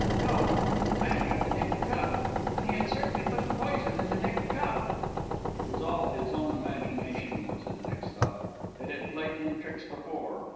No, Matt had the nicked cup, and he had certainly put the poison in the nicked cup. It was all his own imagination, was his next thought. It had played him tricks before.